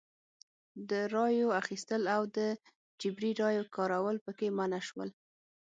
د رایو اخیستل او د جبري رایې کارول پکې منع شول.